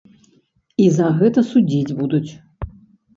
І за гэта судзіць будуць.